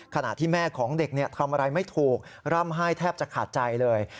ขณะที่แม่ของเด็กทำอะไรไม่ถูกร่ำไห้แทบจะขาดใจเลย